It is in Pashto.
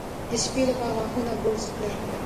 د شپې لخوا غاښونه برس کړئ.